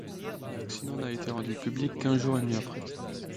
L'accident n'a été rendu public qu'un jour et demi après.